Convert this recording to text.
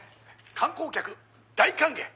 観光客大歓迎！」